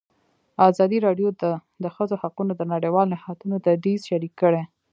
ازادي راډیو د د ښځو حقونه د نړیوالو نهادونو دریځ شریک کړی.